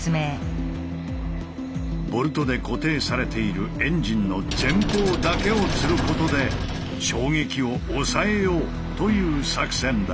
ボルトで固定されているエンジンの前方だけをつることで衝撃を抑えようという作戦だ。